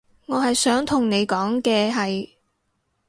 我係想同你講嘅係